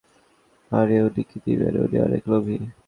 আরে উনি কি দিবেন, উনি অনেক লোভী।